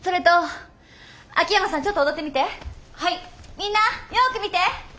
みんなよく見て！